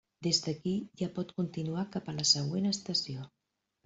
Des d'aquí ja pot continuar cap a la següent estació.